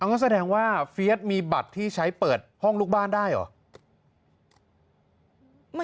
ก็แสดงว่าเฟียสมีบัตรที่ใช้เปิดห้องลูกบ้านได้เหรอ